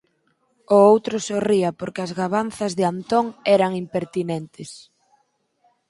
O outro sorría, porque as gabanzas de Antón eran impertinentes.